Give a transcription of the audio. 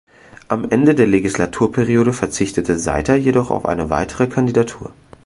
Am Ende der Legislaturperiode verzichtete Seitter jedoch auf eine weitere Kandidatur.